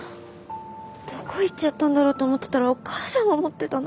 どこ行っちゃったんだろうと思ってたらお母さんが持ってたの？